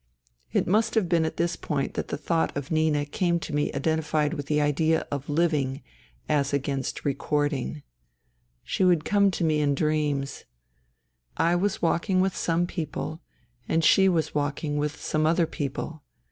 It must have been at this point that the thought of Nina came to me identified with the idea of living as against recording. She would come to me in dreams. I was walking with some people, and she was walking with some other people.